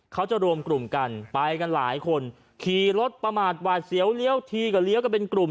เขาจะรวมกลุ่มกันไปกันหลายคนขี่รถประมาทหวาดเสียวเลี้ยวทีก็เลี้ยวกันเป็นกลุ่ม